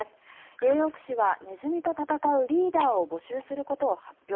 ニューヨーク市はネズミと闘うリーダーを募集することを発表。